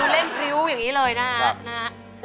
เล่นพริ้วอย่างนี้เลยนะครับครับ